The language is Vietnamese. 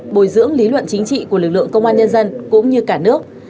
bồi dưỡng lý luận chính trị của lực lượng công an nhân dân cũng như cả nước